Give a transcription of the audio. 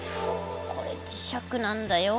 これ磁石なんだよ。